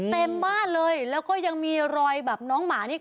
เต็มบ้านเลยแล้วก็ยังมีรอยแบบน้องหมานี่